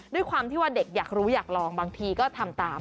ด้วยความที่ว่าเด็กอยากรู้อยากลองบางทีก็ทำตาม